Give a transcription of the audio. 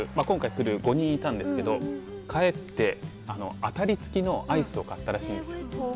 今回クルー５人いたんですけど帰ってアタリつきのアイスを買ったらしいんですよ。